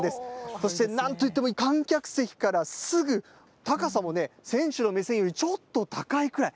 そして何といっても観客席から、すぐ高さもね、選手の目線よりちょっと高いくらい。